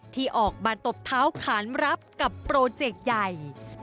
ที่ออกมาตบเท้าขานรับกับโปรเจกต์ใหญ่